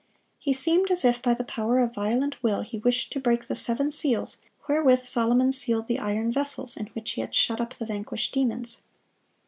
He seemed as if by the power of violent will he wished to break the seven seals wherewith Solomon sealed the iron vessels in which he had shut up the vanquished demons.